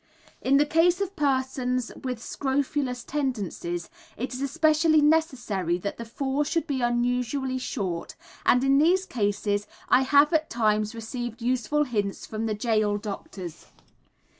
In the case of persons with scrofulous tendencies it is especially necessary that the fall should be unusually short, and in these cases I have at times received useful hints from the gaol doctors.